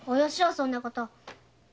そんなこと！